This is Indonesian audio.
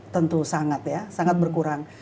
tentu sangat ya sangat berkurang